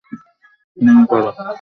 নেমে পড়ো!